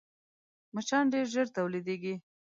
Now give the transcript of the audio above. مچان ډېر ژر تولیدېږي